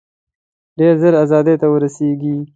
ډېر ژر آزادۍ ته ورسیږي.